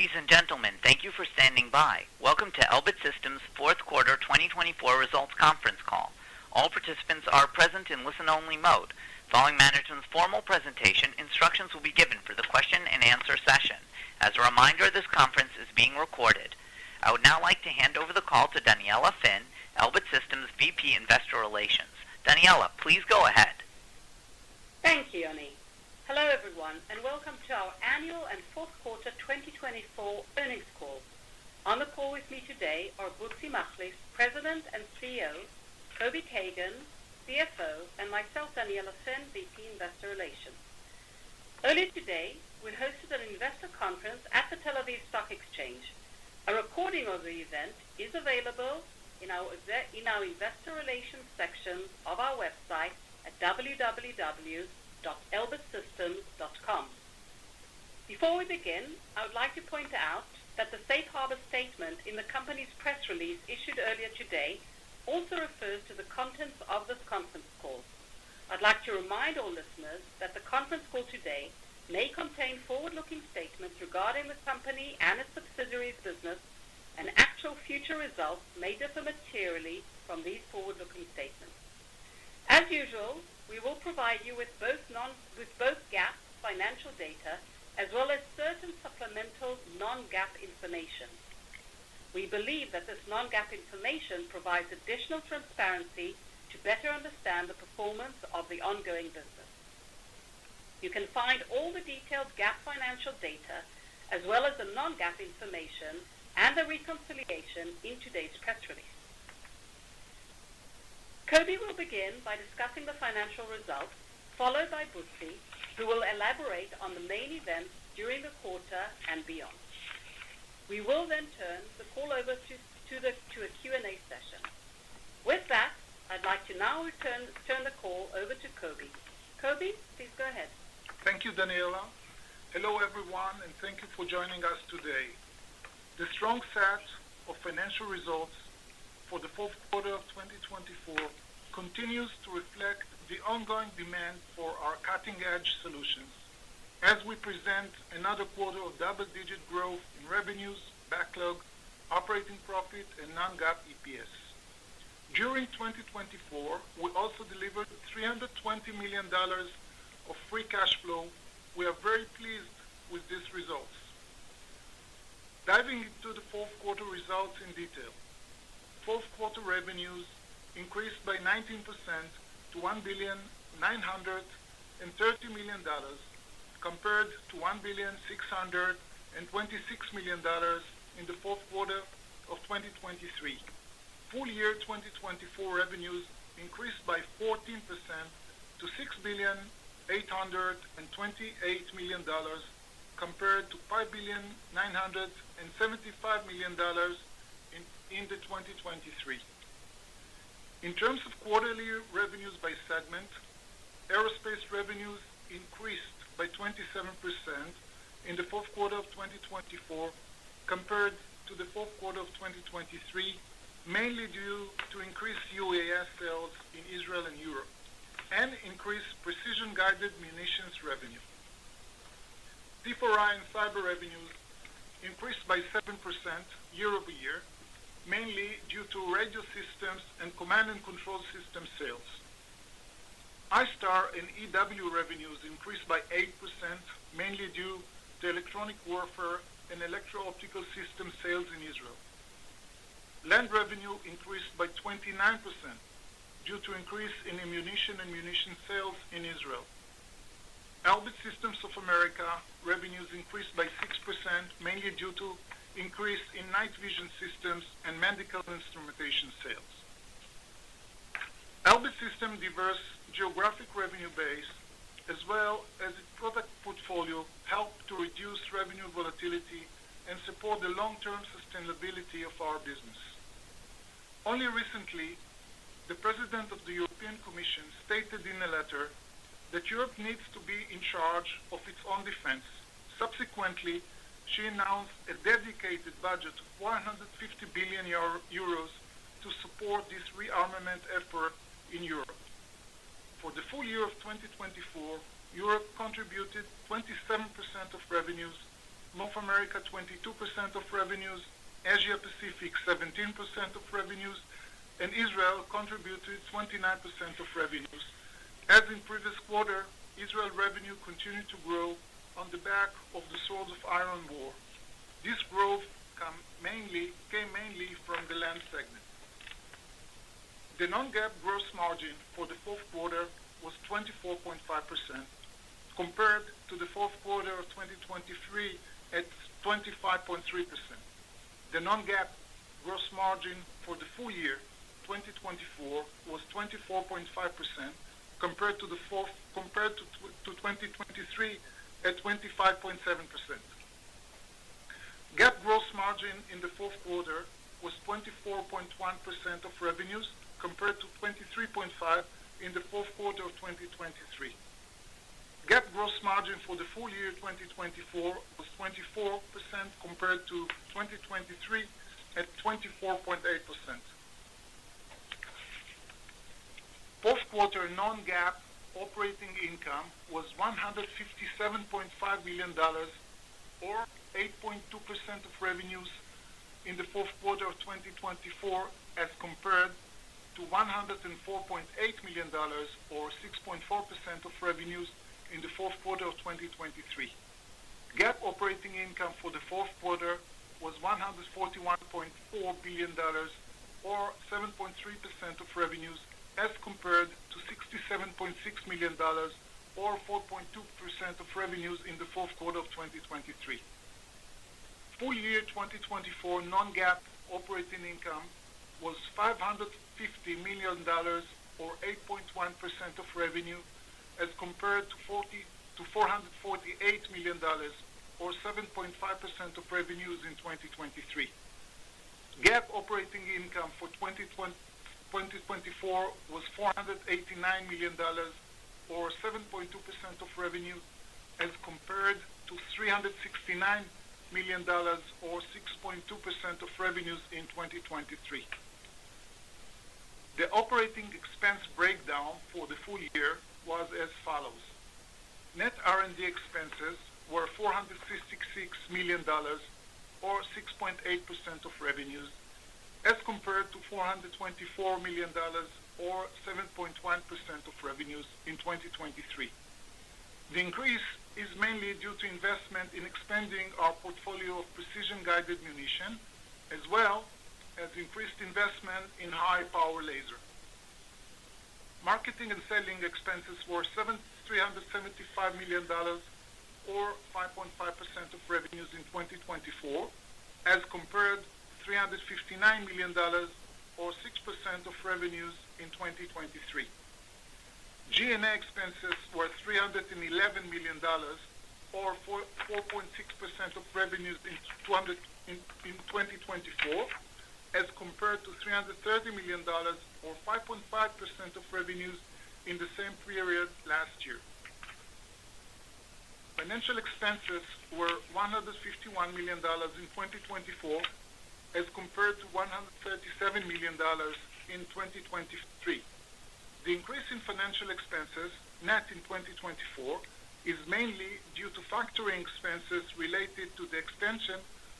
Ladies and gentlemen, thank you for standing by. Welcome to Elbit Systems' Fourth Quarter 2024 Results Conference Call. All participants are present in listen-only mode. Following Daniella Finn's formal presentation, instructions will be given for the question-and-answer session. As a reminder, this conference is being recorded. I would now like to hand over the call to Daniella Finn, Elbit Systems VP Investor Relations. Daniella, please go ahead. Thank you, Yoni. Hello, everyone, and welcome to our Annual and Fourth Quarter 2024 Earnings Call. On the call with me today are Bezhalel Machlis, President and CEO; Kobi Kagan, CFO; and myself, Daniella Finn, VP Investor Relations. Earlier today, we hosted an investor conference at the Tel Aviv Stock Exchange. A recording of the event is available in our Investor Relations section of our website at www.elbitsystems.com. Before we begin, I would like to point out that the safe harbor statement in the company's press release issued earlier today also refers to the contents of this conference call. I'd like to remind all listeners that the conference call today may contain forward-looking statements regarding the company and its subsidiaries' business, and actual future results may differ materially from these forward-looking statements. As usual, we will provide you with both GAAP financial data as well as certain supplemental non-GAAP information. We believe that this non-GAAP information provides additional transparency to better understand the performance of the ongoing business. You can find all the detailed GAAP financial data as well as the non-GAAP information and the reconciliation in today's press release. Kobi will begin by discussing the financial results, followed by Butzi, who will elaborate on the main events during the quarter and beyond. We will then turn the call over to a Q&A session. With that, I'd like to now turn the call over to Kobi. Kobi, please go ahead. Thank you, Daniella. Hello, everyone, and thank you for joining us today. The strong set of financial results for the fourth quarter of 2024 continues to reflect the ongoing demand for our cutting-edge solutions as we present another quarter of double-digit growth in revenues, backlog, operating profit, and non-GAAP EPS. During 2024, we also delivered $320 million of free cash flow. We are very pleased with these results. Diving into the fourth quarter results in detail, fourth quarter revenues increased by 19% to $1,930 million compared to $1,626 million in the fourth quarter of 2023. Full year 2024 revenues increased by 14% to $6,828 million compared to $5,975 million in 2023. In terms of quarterly revenues by segment, aerospace revenues increased by 27% in the fourth quarter of 2024 compared to the fourth quarter of 2023, mainly due to increased UAS sales in Israel and Europe and increased precision-guided munitions revenue. C4I and cyber revenues increased by 7% year-over-year, mainly due to radio systems and command and control system sales. ISTAR and EW revenues increased by 8%, mainly due to electronic warfare and electro-optical system sales in Israel. Land revenue increased by 29% due to an increase in ammunition and munition sales in Israel. Elbit Systems of America revenues increased by 6%, mainly due to an increase in night vision systems and medical instrumentation sales. Elbit Systems' diverse geographic revenue base, as well as its product portfolio, helped to reduce revenue volatility and support the long-term sustainability of our business. Only recently, the President of the European Commission stated in a letter that Europe needs to be in charge of its own defense. Subsequently, she announced a dedicated budget of 450 billion euros to support this rearmament effort in Europe. For the full year of 2024, Europe contributed 27% of revenues, North America 22% of revenues, Asia-Pacific 17% of revenues, and Israel contributed 29% of revenues. As in the previous quarter, Israel's revenue continued to grow on the back of the Swords of Iron War. This growth came mainly from the land segment. The non-GAAP gross margin for the fourth quarter was 24.5%, compared to the fourth quarter of 2023 at 25.3%. The non-GAAP gross margin for the full year 2024 was 24.5%, compared to 2023 at 25.7%. GAAP gross margin in the fourth quarter was 24.1% of revenues, compared to 23.5% in the fourth quarter of 2023. GAAP gross margin for the full year 2024 was 24%, compared to 2023 at 24.8%. Fourth quarter non-GAAP operating income was $157.5 million, or 8.2% of revenues in the fourth quarter of 2024, as compared to $104.8 million, or 6.4% of revenues in the fourth quarter of 2023. GAAP operating income for the fourth quarter was $141.4 million, or 7.3% of revenues, as compared to $67.6 million, or 4.2% of revenues in the fourth quarter of 2023. Full year 2024 non-GAAP operating income was $550 million, or 8.1% of revenue, as compared to $448 million, or 7.5% of revenues in 2023. GAAP operating income for 2024 was $489 million, or 7.2% of revenue, as compared to $369 million, or 6.2% of revenues in 2023. The operating expense breakdown for the full year was as follows. Net R&D expenses were $466 million, or 6.8% of revenues, as compared to $424 million, or 7.1% of revenues in 2023. The increase is mainly due to investment in expanding our portfolio of precision-guided munition, as well as increased investment in high-power laser. Marketing and selling expenses were $375 million, or 5.5% of revenues in 2024, as compared to $359 million, or 6% of revenues in 2023. G&A expenses were $311 million, or 4.6% of revenues in 2024, as compared to $330 million, or 5.5% of revenues in the same period last year. Financial expenses were $151 million in 2024, as compared to $137 million in 2023. The increase in financial expenses net in 2024 is mainly due to factoring expenses related to the extension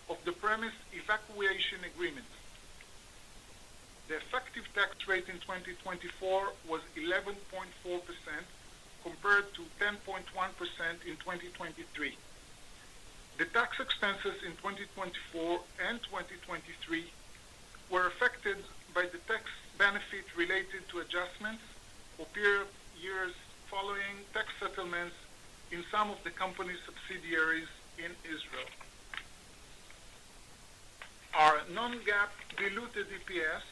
of the premises evacuation agreements. The effective tax rate in 2024 was 11.4%, compared to 10.1% in 2023. The tax expenses in 2024 and 2023 were affected by the tax benefit related to adjustments for prior years following tax settlements in some of the company's subsidiaries in Israel. Our non-GAAP diluted EPS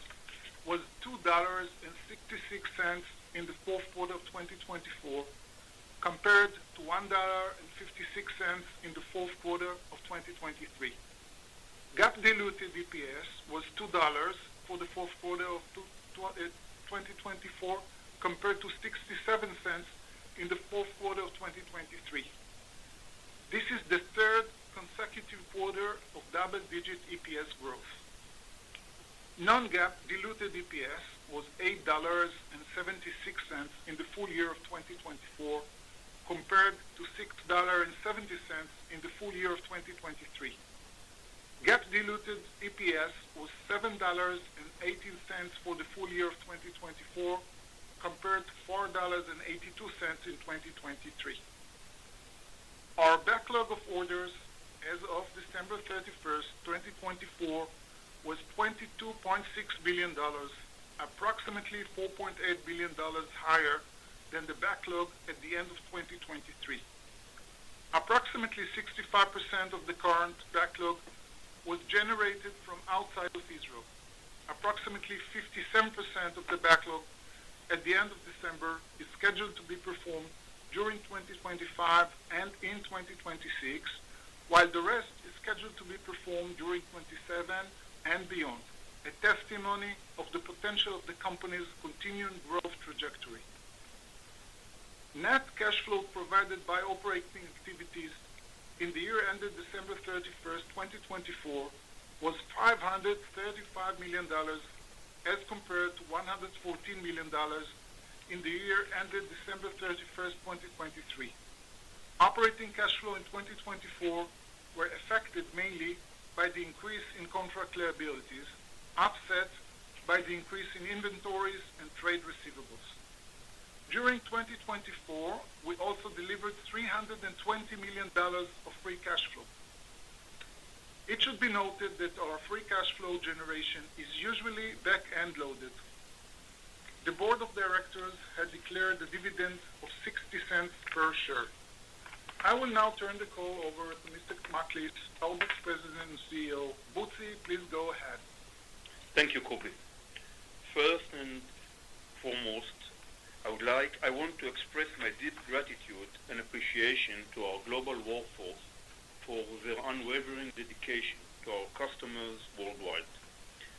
was $2.66 in the fourth quarter of 2024, compared to $1.56 in the fourth quarter of 2023. GAAP diluted EPS was $2 for the fourth quarter of 2024, compared to $0.67 in the fourth quarter of 2023. This is the third consecutive quarter of double-digit EPS growth. Non-GAAP diluted EPS was $8.76 in the full year of 2024, compared to $6.70 in the full year of 2023. GAAP diluted EPS was $7.18 for the full year of 2024, compared to $4.82 in 2023. Our backlog of orders as of December 31, 2024, was $22.6 billion, approximately $4.8 billion higher than the backlog at the end of 2023. Approximately 65% of the current backlog was generated from outside of Israel. Approximately 57% of the backlog at the end of December is scheduled to be performed during 2025 and in 2026, while the rest is scheduled to be performed during 2027 and beyond, a testimony of the potential of the company's continuing growth trajectory. Net cash flow provided by operating activities in the year ended December 31, 2024, was $535 million, as compared to $114 million in the year ended December 31, 2023. Operating cash flow in 2024 was affected mainly by the increase in contract liabilities, offset by the increase in inventories and trade receivables. During 2024, we also delivered $320 million of free cash flow. It should be noted that our free cash flow generation is usually back-end loaded. The board of directors had declared a dividend of $0.60 per share. I will now turn the call over to Mr. Machlis, Elbit's President and CEO. Bezhalel, please go ahead. Thank you, Kobi. First and foremost, I would like—I want to express my deep gratitude and appreciation to our global workforce for their unwavering dedication to our customers worldwide.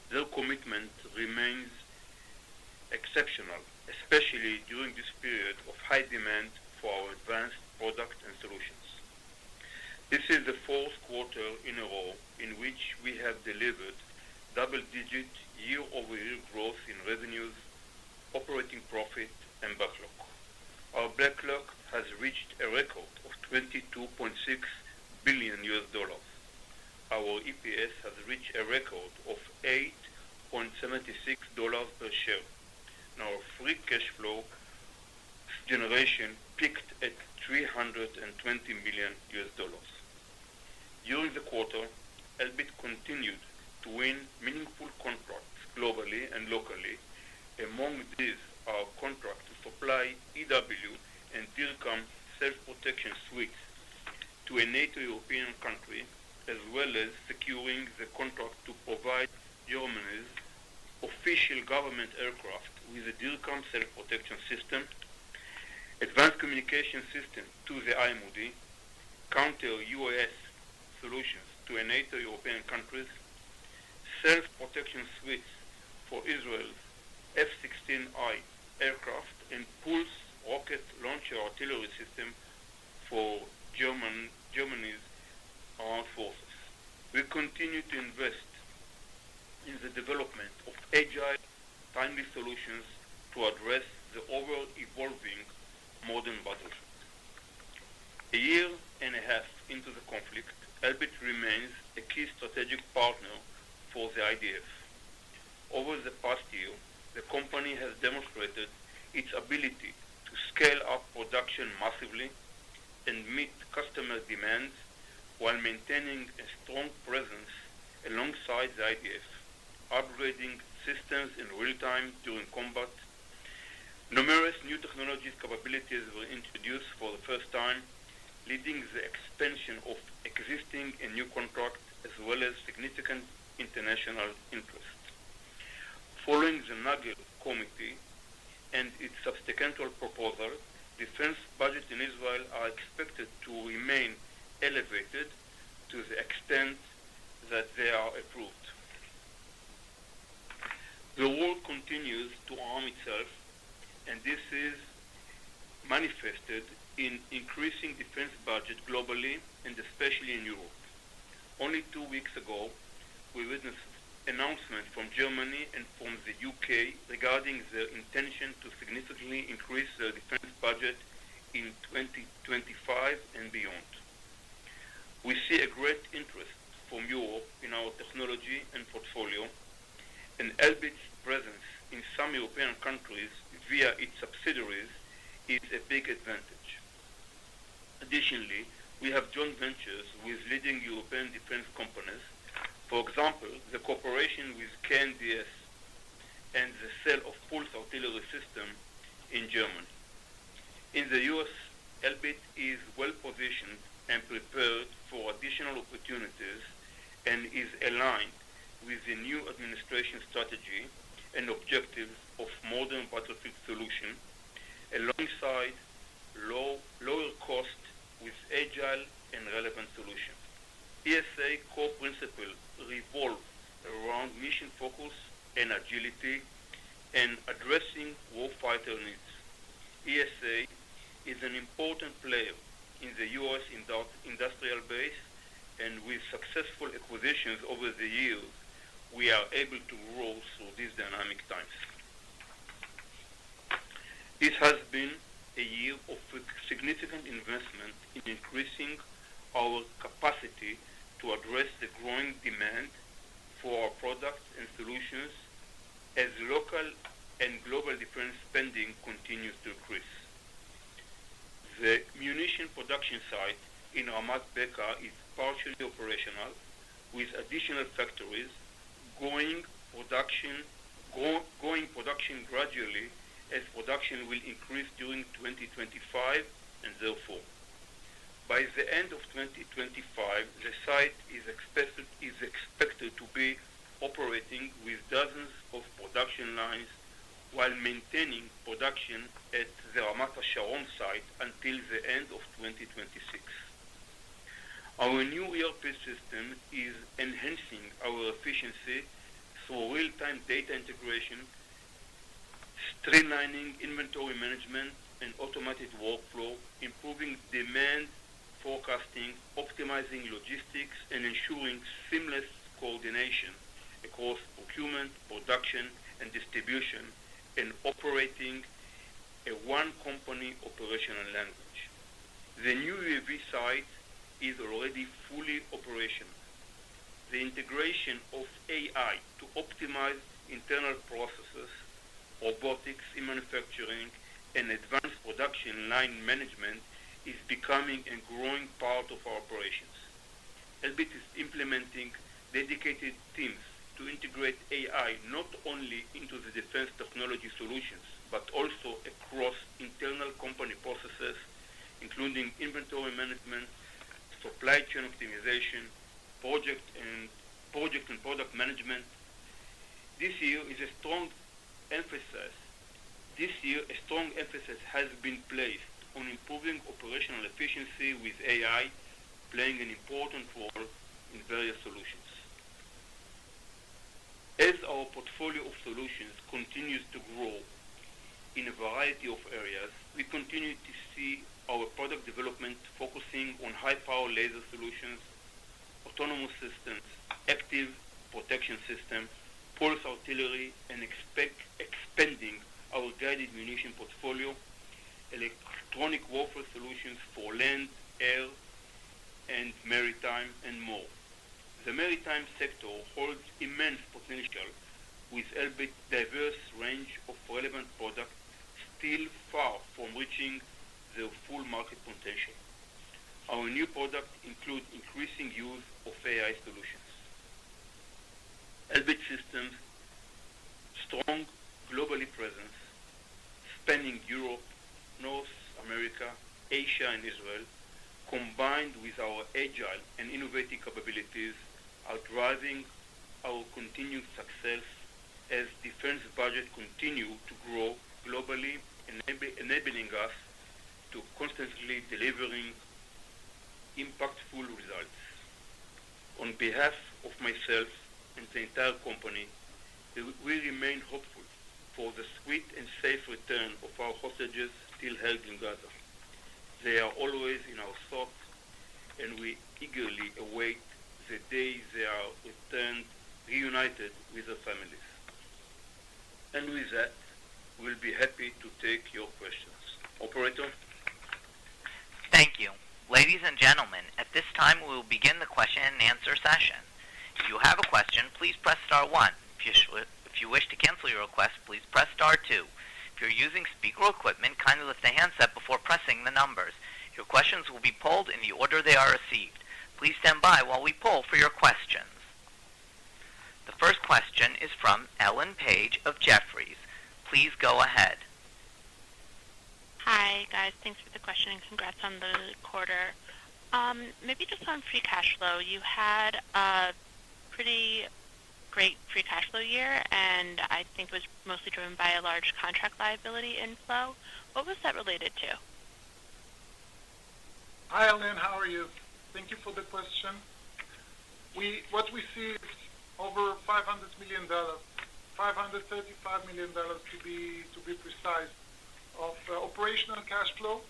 Their commitment remains exceptional, especially during this period of high demand for our advanced products and solutions. This is the fourth quarter in a row in which we have delivered double-digit year-over-year growth in revenues, operating profit, and backlog. Our backlog has reached a record of $22.6 billion. Our EPS has reached a record of $8.76 per share, and our free cash flow generation peaked at $320 million. During the quarter, Elbit continued to win meaningful contracts globally and locally. Among these are contracts to supply EW and DIRCM self-protection suites to a NATO European country, as well as securing the contract to provide Germany's official government aircraft with a DIRCM self-protection system, advanced communication system to the IMOD, counter-UAS solutions to NATO European countries, self-protection suites for Israel's F-16I aircraft, and PULS rocket launcher artillery system for Germany's armed forces. We continue to invest in the development of agile, timely solutions to address the overall evolving modern battlefield. A year and a half into the conflict, Elbit remains a key strategic partner for the IDF. Over the past year, the company has demonstrated its ability to scale up production massively and meet customer demands while maintaining a strong presence alongside the IDF, upgrading systems in real time during combat. Numerous new technology capabilities were introduced for the first time, leading the expansion of existing and new contracts, as well as significant international interest. Following the Nagel Committee and its substantial proposal, defense budgets in Israel are expected to remain elevated to the extent that they are approved. The world continues to arm itself, and this is manifested in increasing defense budgets globally and especially in Europe. Only two weeks ago, we witnessed announcements from Germany and from the U.K. regarding their intention to significantly increase their defense budget in 2025 and beyond. We see a great interest from Europe in our technology and portfolio, and Elbit's presence in some European countries via its subsidiaries is a big advantage. Additionally, we have joint ventures with leading European defense companies, for example, the cooperation with KNDS and the sale of PULS artillery system in Germany. In the U.S., Elbit is well positioned and prepared for additional opportunities and is aligned with the new administration strategy and objectives of modern battlefield solution alongside lower cost with agile and relevant solutions. ESA core principles revolve around mission focus and agility and addressing warfighter needs. ESA is an important player in the U.S. industrial base, and with successful acquisitions over the years, we are able to grow through these dynamic times. This has been a year of significant investment in increasing our capacity to address the growing demand for our products and solutions as local and global defense spending continues to increase. The munition production site in Ramat Beka is partially operational, with additional factories going production gradually as production will increase during 2025 and therefore. By the end of 2025, the site is expected to be operating with dozens of production lines while maintaining production at the Ramat HaSharon site until the end of 2026. Our new ERP system is enhancing our efficiency through real-time data integration, streamlining inventory management and automated workflow, improving demand forecasting, optimizing logistics, and ensuring seamless coordination across procurement, production, and distribution, and operating a one-company operational language. The new ERP site is already fully operational. The integration of AI to optimize internal processes, robotics in manufacturing, and advanced production line management is becoming a growing part of our operations. Elbit is implementing dedicated teams to integrate AI not only into the defense technology solutions but also across internal company processes, including inventory management, supply chain optimization, project and product management. This year is a strong emphasis. This year, a strong emphasis has been placed on improving operational efficiency with AI playing an important role in various solutions. As our portfolio of solutions continues to grow in a variety of areas, we continue to see our product development focusing on high-power laser solutions, autonomous systems, active protection systems, PULS artillery, and expanding our guided munition portfolio, electronic warfare solutions for land, air, and maritime, and more. The maritime sector holds immense potential with Elbit's diverse range of relevant products, still far from reaching their full market potential. Our new products include increasing use of AI solutions. Elbit Systems' strong global presence, spanning Europe, North America, Asia-Pacific, and Israel, combined with our agile and innovative capabilities, are driving our continued success as defense budgets continue to grow globally, enabling us to constantly deliver impactful results. On behalf of myself and the entire company, we remain hopeful for the sweet and safe return of our hostages still held in Gaza. They are always in our thoughts, and we eagerly await the day they are returned, reunited with their families. We will be happy to take your questions. Operator. Thank you. Ladies and gentlemen, at this time, we will begin the question and answer session. If you have a question, please press star one. If you wish to cancel your request, please press star two. If you're using speaker equipment, kindly lift the handset before pressing the numbers. Your questions will be polled in the order they are received. Please stand by while we poll for your questions. The first question is from Ellen Page of Jefferies. Please go ahead. Hi, guys. Thanks for the question and congrats on the quarter. Maybe just on free cash flow, you had a pretty great free cash flow year, and I think it was mostly driven by a large contract liability inflow. What was that related to? Hi, Ellen. How are you? Thank you for the question. What we see is over $535 million, to be precise, of operational cash flow,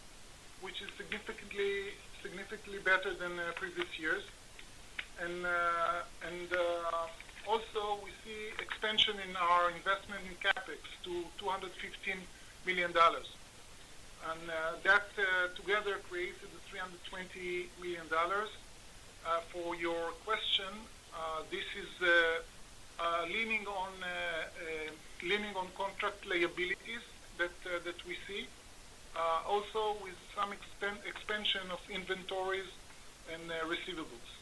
which is significantly better than previous years. We also see expansion in our investment in CapEx to $215 million. That together creates $320 million. For your question, this is leaning on contract liabilities that we see, also with some expansion of inventories and receivables.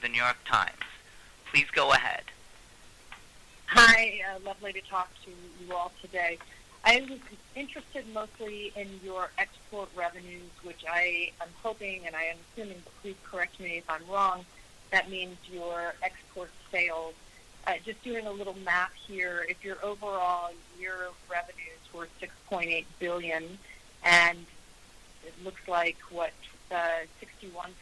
Ellen? The next question is from Lara Jakes of The New York Times. Please go ahead. Hi. Lovely to talk to you all today. I'm interested mostly in your export revenues, which I am hoping—and I am assuming please correct me if I'm wrong—that means your export sales. Just doing a little math here, if your overall year of revenues were $6.8 billion and it looks like what, 61%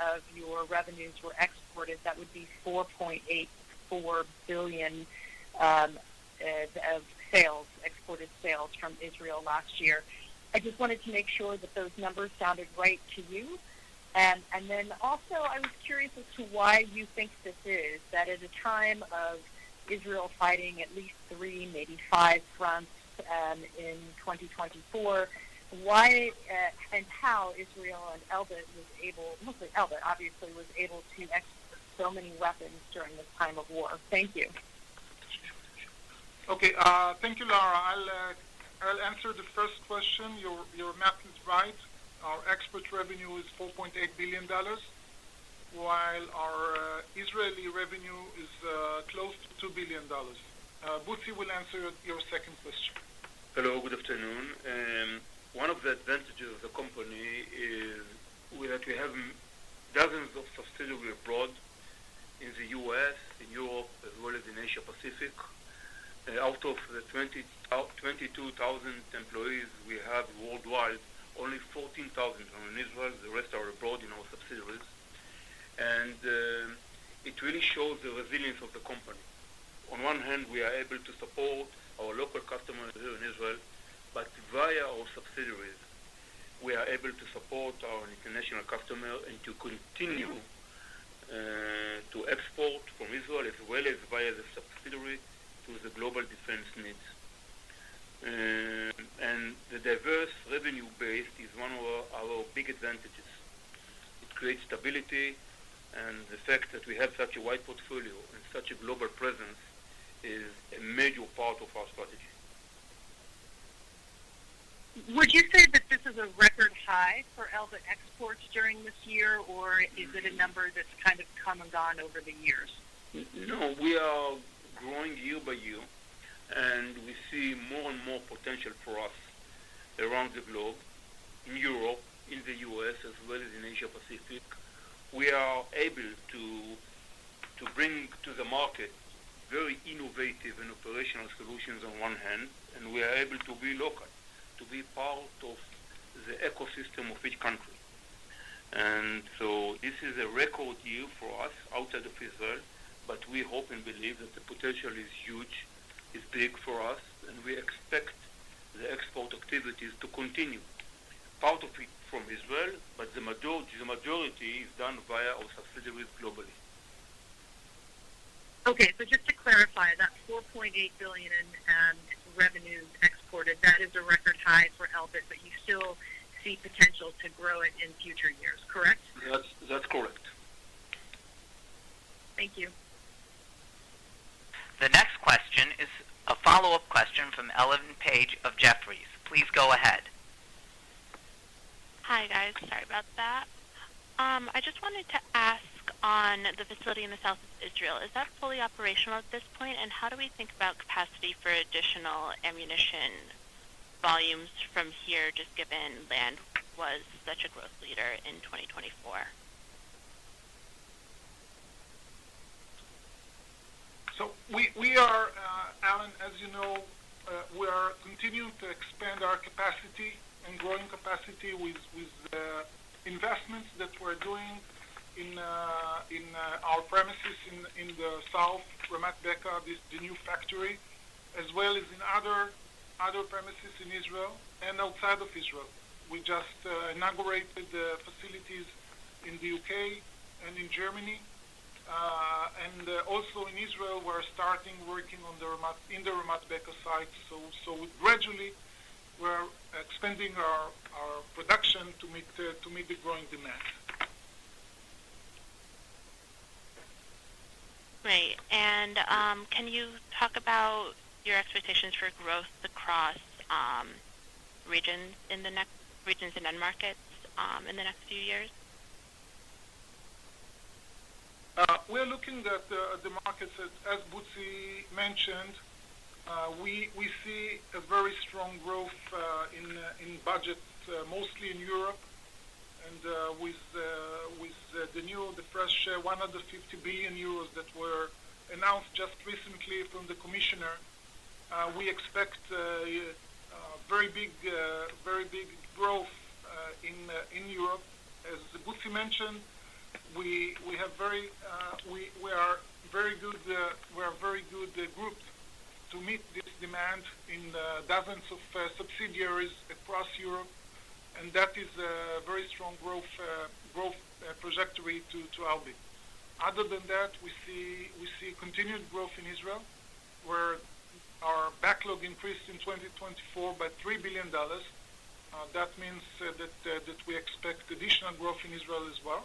of your revenues were exported, that would be $4.84 billion of sales, exported sales from Israel last year. I just wanted to make sure that those numbers sounded right to you. I was curious as to why you think this is, that at a time of Israel fighting at least three, maybe five fronts in 2024, why and how Israel and Elbit was able—mostly Elbit, obviously—was able to export so many weapons during this time of war. Thank you. Okay. Thank you, Lara. I'll answer the first question. Your math is right. Our export revenue is $4.8 billion, while our Israeli revenue is close to $2 billion. Bootsie will answer your second question. Hello. Good afternoon. One of the advantages of the company is that we have dozens of subsidiaries abroad in the U.S., in Europe, as well as in Asia-Pacific. Out of the 22,000 employees we have worldwide, only 14,000 are in Israel. The rest are abroad in our subsidiaries. It really shows the resilience of the company. On one hand, we are able to support our local customers here in Israel, but via our subsidiaries, we are able to support our international customers and to continue to export from Israel, as well as via the subsidiary, to the global defense needs. The diverse revenue base is one of our big advantages. It creates stability, and the fact that we have such a wide portfolio and such a global presence is a major part of our strategy. Would you say that this is a record high for Elbit exports during this year, or is it a number that's kind of come and gone over the years? No. We are growing year by year, and we see more and more potential for us around the globe, in Europe, in the U.S., as well as in Asia-Pacific. We are able to bring to the market very innovative and operational solutions on one hand, and we are able to be local, to be part of the ecosystem of each country. This is a record year for us outside of Israel, but we hope and believe that the potential is huge, is big for us, and we expect the export activities to continue. Part of it from Israel, but the majority is done via our subsidiaries globally. Okay. Just to clarify, that $4.8 billion in revenues exported, that is a record high for Elbit, but you still see potential to grow it in future years. Correct? That's correct. Thank you. The next question is a follow-up question from Ellen Page of Jefferies. Please go ahead. Hi, guys. Sorry about that. I just wanted to ask on the facility in the south of Israel. Is that fully operational at this point, and how do we think about capacity for additional ammunition volumes from here, just given land was such a growth leader in 2024? We are, Alan, as you know, we are continuing to expand our capacity and growing capacity with investments that we're doing in our premises in the south, Ramat Beka, the new factory, as well as in other premises in Israel and outside of Israel. We just inaugurated the facilities in the U.K. and in Germany. Also in Israel, we're starting working in the Ramat Beka site. Gradually, we're expanding our production to meet the growing demand. Great. Can you talk about your expectations for growth across regions and markets in the next few years? We're looking at the markets, as Bootsie mentioned. We see a very strong growth in budgets, mostly in Europe. With the new, the fresh 150 billion euros that were announced just recently from the commissioner, we expect very big growth in Europe. As Bootsie mentioned, we are very good group to meet this demand in dozens of subsidiaries across Europe, and that is a very strong growth trajectory to Elbit. Other than that, we see continued growth in Israel, where our backlog increased in 2024 by $3 billion. That means that we expect additional growth in Israel as well.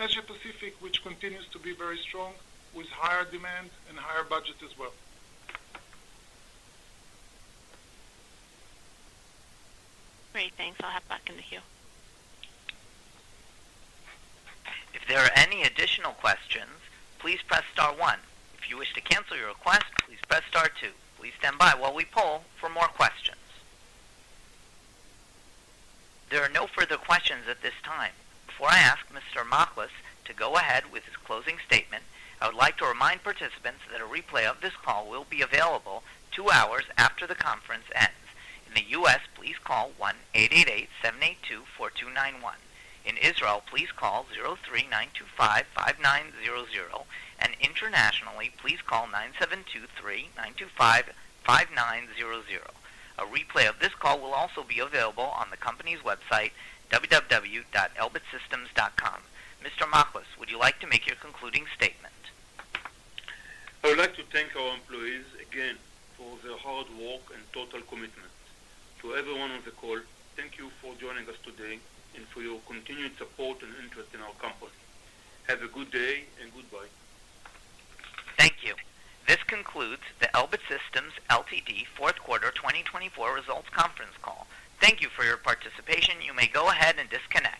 Asia-Pacific, which continues to be very strong with higher demand and higher budget as well. Great. Thanks. I'll hop back in the queue. If there are any additional questions, please press star one. If you wish to cancel your request, please press star two. Please stand by while we poll for more questions. There are no further questions at this time. Before I ask Mr. Machlis to go ahead with his closing statement, I would like to remind participants that a replay of this call will be available two hours after the conference ends. In the U.S., please call 1-888-782-4291. In Israel, please call 03-9255900. Internationally, please call 972-3-9255900. A replay of this call will also be available on the company's website, www.elbitsystems.com. Mr. Machlis, would you like to make your concluding statement? I would like to thank our employees again for their hard work and total commitment. To everyone on the call, thank you for joining us today and for your continued support and interest in our company. Have a good day and goodbye. Thank you. This concludes the Elbit Systems Fourth Quarter 2024 Results Conference Call. Thank you for your participation. You may go ahead and disconnect.